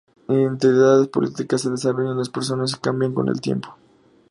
Las identidades políticas se desarrollan en las personas y cambian con el tiempo.